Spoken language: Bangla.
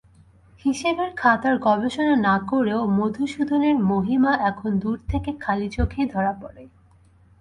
হিসেবের খাতার গবেষণা না করেও মধুসূদনের মহিমা এখন দূর থেকে খালি-চোখেই ধরা পড়ে।